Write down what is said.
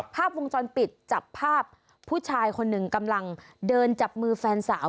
ภาพวงจรปิดจับภาพผู้ชายคนหนึ่งกำลังเดินจับมือแฟนสาว